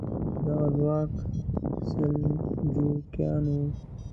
دغه ځواک سلجوقیان وو.